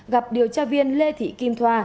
gặp điều tra viên lê thị kim thoa